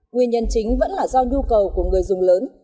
nguyên nhân chính vẫn là do nhu cầu của người dùng lớn